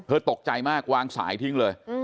ตกใจมากวางสายทิ้งเลย